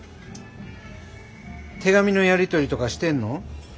手紙のやり取りとかしてんの？